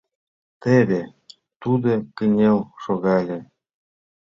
Теве тудо кынел шогале.